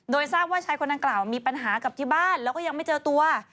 โดยทราบว่าชายคนดังกล่าวมีปัญหากับที่บ้านแล้วก็ยังไม่เจอตัว